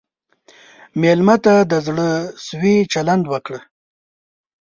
مېلمه ته د زړه سوي چلند وکړه.